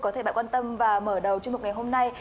có thể bạn quan tâm và mở đầu chương mục ngày hôm nay